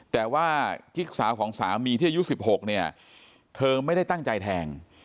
แต่ว่ากิ๊กสาวของสามีที่อายุ๑๖เนี่ยเธอไม่ได้ตั้งใจแทง